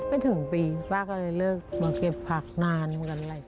ไม่ถึงปีป้าก็เลยเลิกมาเก็บผักนานเหมือนกันแหละ